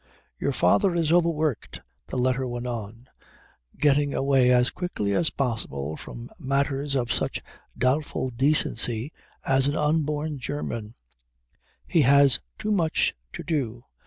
"Your father is overworked," the letter went on, getting away as quickly as possible from matters of such doubtful decency as an unborn German, "_he has too much to do.